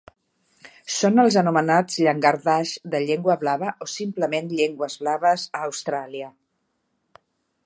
Són els anomenats llangardaix de llengua blava o simplement llengües blaves a Austràlia.